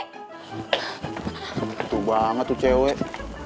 tentu banget tuh cewek